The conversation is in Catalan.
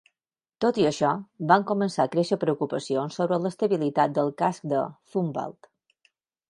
Tot i això, van començar a créixer preocupacions sobre l'estabilitat del casc de "Zumwalt".